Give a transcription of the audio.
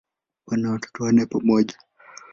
Wana watoto wanne pamoja.